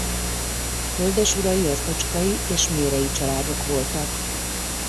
Földesurai az Ocskay és Mérey családok voltak.